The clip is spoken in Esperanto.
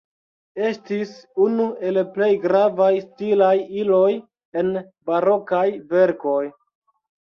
Estis unu el plej gravaj stilaj iloj en barokaj verkoj.